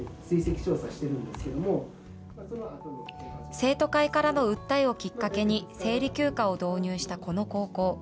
生徒会からの訴えをきっかけに、生理休暇を導入したこの高校。